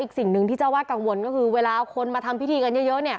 สิ่งหนึ่งที่เจ้าวาดกังวลก็คือเวลาคนมาทำพิธีกันเยอะเนี่ย